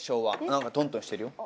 なんかトントンしてるよ。